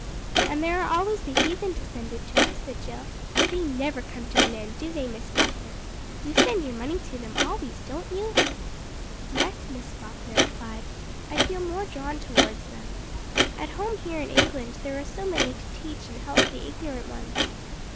"And there are always the heathen to send it to," said Jill. "They never come to an end, do they, Miss Falkner? You send your money to them always, don't you?" "Yes," Miss Falkner replied. "I feel more drawn towards them. At home here in England there are so many to teach and help the ignorant ones.